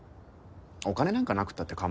お金なんかなくったって構わない。